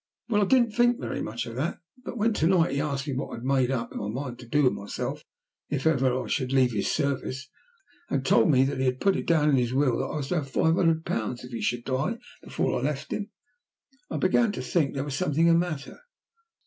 Well, I didn't think very much of that, but when to night he asked me what I had made up my mind to do with myself if ever I should leave his service, and told me that he had put it down in his will that I was to have five hundred pounds if he should die before I left him, I began to think there was something the matter.